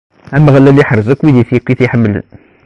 Ameɣlal iḥerrez wid akk i t-iḥemmlen.